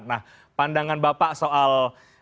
nah pandangan bapak soal